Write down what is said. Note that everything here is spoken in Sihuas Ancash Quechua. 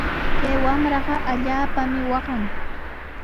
Kay wamraqa allaapami waqan.